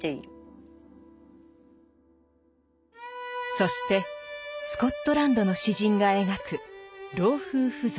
そしてスコットランドの詩人が描く老夫婦像。